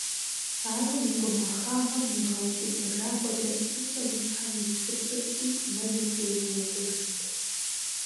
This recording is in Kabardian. Ауэ и гумахагъэм игъэукӏытэжа хуэдэ, псынщӏэу и щхьэр иутхыпщӏырти мэзымкӏэ иунэтӏыжырт.